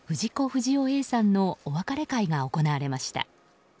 不二雄Ａさんのお別れ会が行われました。